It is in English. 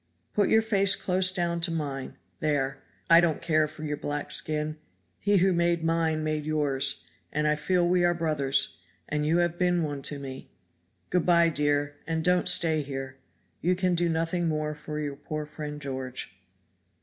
Put your face close down to mine there I don't care for your black skin He who made mine made yours; and I feel we are brothers, and you have been one to me. Good by, dear, and don't stay here. You can do nothing more for your poor friend George."